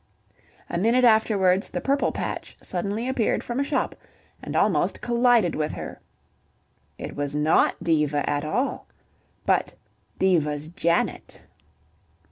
A minute afterwards, the purple patch suddenly appeared from a shop and almost collided with her. It was not Diva at all, but Diva's Janet.